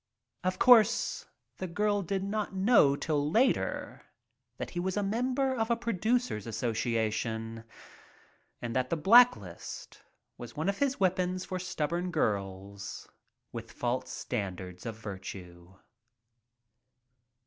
Of course, the girl did not know till later that he was a member of a producers association, and that the blacklist was one of his weapons for stubborn girls with "false" standards of virtue.